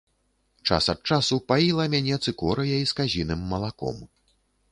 Час ад часу паіла мяне цыкорыяй з казіным малаком.